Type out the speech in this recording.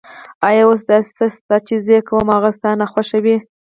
آیا اوس داسې څه شته چې زه یې کوم او هغه ستا ناخوښه وي؟